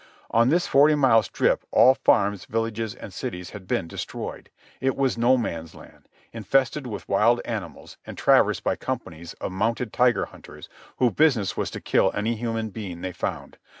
On this forty mile strip all farms, villages and cities had been destroyed. It was no man's land, infested with wild animals and traversed by companies of mounted Tiger Hunters whose business was to kill any human being they found.